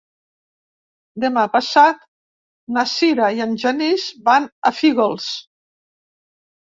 Demà passat na Sira i en Genís van a Fígols.